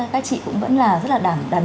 các chị cũng vẫn là rất là đáng nhận